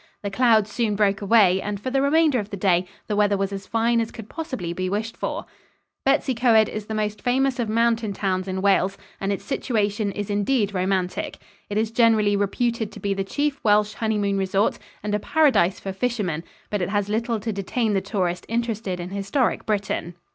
The clouds soon broke away and for the remainder of the day the weather was as fine as could possibly be wished for. Bettws y Coed is the most famous of mountain towns in Wales, and its situation is indeed romantic. It is generally reputed to be the chief Welsh honeymoon resort and a paradise for fishermen, but it has little to detain the tourist interested in historic Britain.